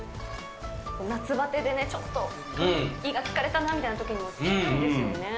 夏ばてでね、ちょっと胃が疲れたなみたいなときでもぴったりですよね。